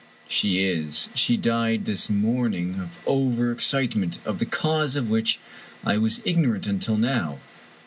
" "She is. She died this morning of overexcitement, of the cause of which I was ignorant until now.